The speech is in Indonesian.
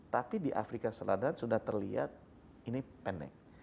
tapi di afrika selatan sudah terlihat ini pendek